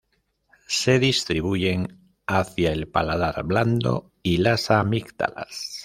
Se distribuyen hacia el paladar blando y las amígdalas.